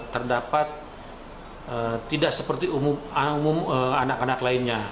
terdapat tidak seperti umum anak anak lainnya